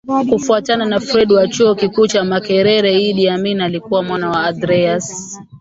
Kufuatana na Fred wa Chuo Kikuu cha Makerere Idi Amin alikuwa mwana wa Andreas